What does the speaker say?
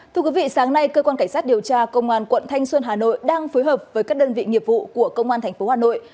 thưa quý vị sáng nay cơ quan cảnh sát điều tra công an quận thanh xuân hà nội đang phối hợp với các đơn vị nghiệp vụ của công an tp hà nội